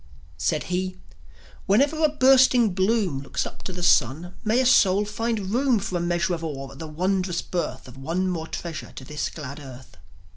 Said he: "Whenever a bursting bloom Looks up to the sun, may a soul find room For a measure of awe at the wondrous birth Of one more treasure to this glad earth."